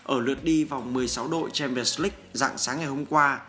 ở lượt đi vòng một mươi sáu đội champions leage dạng sáng ngày hôm qua